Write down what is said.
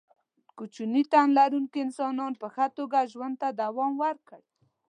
کوچني تن لرونکو انسانانو په ښه توګه ژوند ته دوام ورکړ.